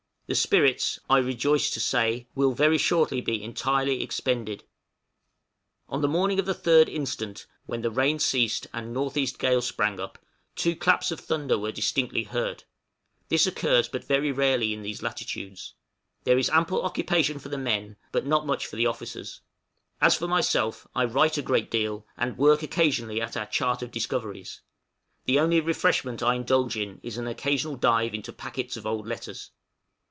The spirits, I rejoice to say, will very shortly be entirely expended. {GAME LIST.} On the morning of the 3rd instant, when the rain ceased and N.E. gale sprang up, two claps of thunder were distinctly heard; this occurs but very rarely in these latitudes. There is ample occupation for the men but not much for the officers; as for myself, I write a great deal, and work occasionally at our chart of discoveries; the only refreshment I indulge in is an occasional dive into packets of old letters.